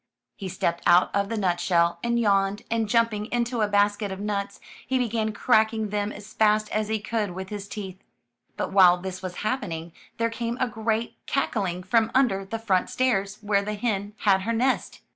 He stepped out of the nutshell, and yawned, and, jumping into a basket of nuts, he began cracking them as fast as he could with his teeth. But while this was happening, there came a great cackling from under the front stairs where the hen had her nest.